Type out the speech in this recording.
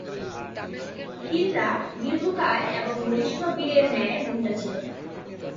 হিন্দা দীর্ঘকায় এবং বলিষ্ঠ বীরের ন্যায় মহিলা ছিল।